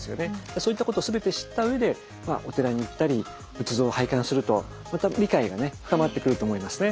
そういったことを全て知ったうえでお寺に行ったり仏像を拝観するとまた理解がね深まってくると思いますね。